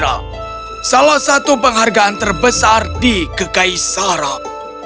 dan salah satu penghargaan terbesar di kekaisaran